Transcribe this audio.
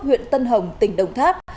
huyện tân hồng tỉnh đồng tháp